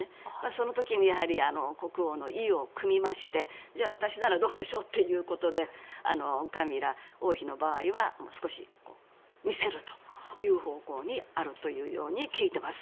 その時に、国王の意をくみましてじゃあ私ならどうでしょうということでカミラ王妃の場合は少し、見せるという方向にあると聞いています。